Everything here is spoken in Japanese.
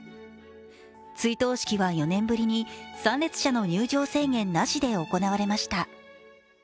追悼式は４年ぶりに参列者の入場制限なしで行われました。